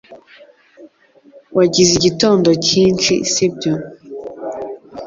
Wagize igitondo cyinshi sibyo